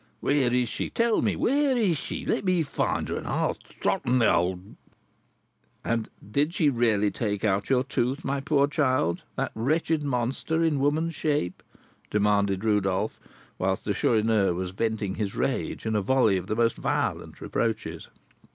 Where is she? Tell me, where is she? Let me find her, and I'll throttle the old " "And did she really take out your tooth, my poor child, that wretched monster in woman's shape?" demanded Rodolph, whilst the Chourineur was venting his rage in a volley of the most violent reproaches.